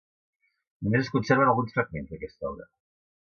Només es conserven alguns fragments d'aquesta obra.